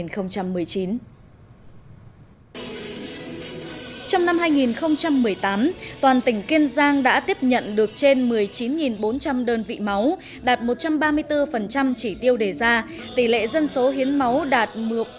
trong năm hai nghìn một mươi tám toàn tỉnh kiên giang đã tiếp nhận được trên một mươi chín bốn trăm linh đơn vị máu đạt một trăm ba mươi bốn chỉ tiêu đề ra tỷ lệ dân số hiến máu đạt một mươi một